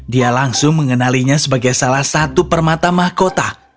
dia langsung mengenalinya sebagai salah satu permata mahkota